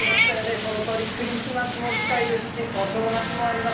そのとおり、クリスマスも近いですし、お正月もあります。